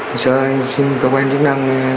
bây giờ xin cơ quan chức năng